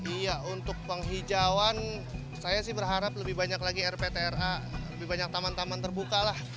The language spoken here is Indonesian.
iya untuk penghijauan saya sih berharap lebih banyak lagi rptra lebih banyak taman taman terbuka lah